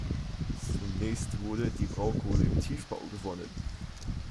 Zunächst wurde die Braunkohle im Tiefbau gewonnen.